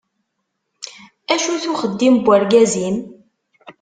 Acu-t uxeddim n urgaz-im?